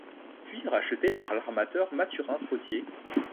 Puis racheté par l'armateur Mathurin Trottier.